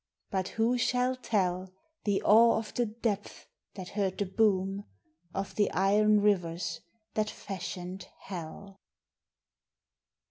But who shall tell The awe of the depths that heard the boom Of the iron rivers that fashioned Hell!